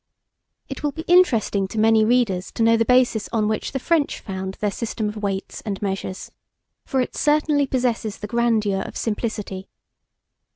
It will be interesting to many readers to know the basis on which the French found their system of weights and measures, for it certainly possesses the grandeur of simplicity.